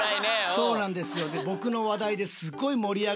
そうなんですよ。